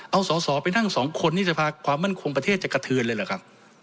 เอาสอสอไปนั่งสองคนนี่สภาความมั่นคงประเทศจะกระเทือนเลยเหรอครับ